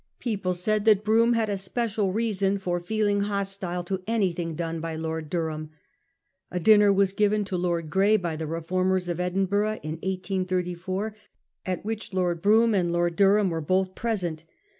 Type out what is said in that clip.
People said that Brougham had a special reason for feeling hostile to anything done by Lord Durham. A dinner was given to Lord Grey by the Reformers of Edin burgh, in 1834, at which Lord Brougham and Lord Durham were both present.